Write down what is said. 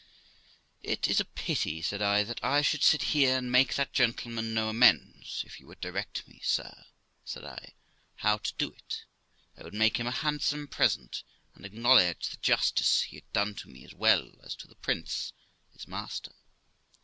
'It is a pity', said I, 'that I should sit here and make that gentleman no amends; if you would direct me, sir', said I, 'how to do it, I would make him a handsome present, and acknowledge the justice he had done to me, as well as to the prince, his master.'